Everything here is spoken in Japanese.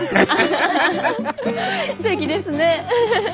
すてきですね。